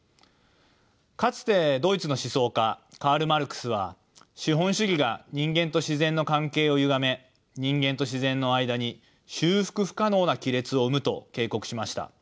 かつてドイツの思想家カール・マルクスは資本主義が人間と自然の関係をゆがめ人間と自然のあいだに修復不可能な亀裂を生むと警告しました。